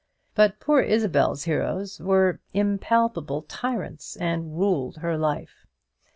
But poor Isabel's heroes were impalpable tyrants, and ruled her life.